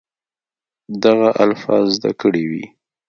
دغه الفاظ زده کړي وي